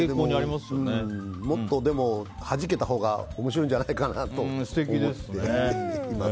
でも、もっとはじけたほうが面白いんじゃないかなと思って。